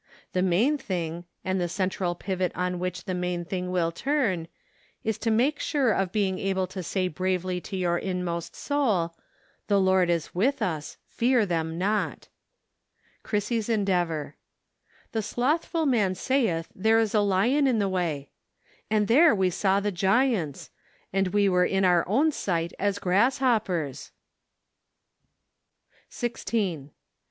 The main thing, and the central pivot on which the main thing will turn, is to make sure of being able to say bravely to your inmost soul: " The Lord is with us, fear them not.' 5 Clirissy's Endeavor. " The slothful man saith, ' there is a lion in the way .*"" And there we saw the giants! And we were in our own sight as grasshoppers !" 116 OCTOBER. 16.